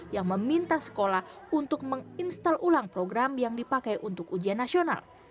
yang meminta sekolah untuk menginstal ulang program yang dipakai untuk ujian nasional